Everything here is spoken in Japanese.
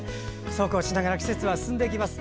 そうこうしながら季節は進んでいきます。